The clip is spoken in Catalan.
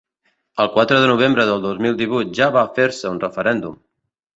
El quatre de novembre del dos mil divuit ja va fer-se un referèndum.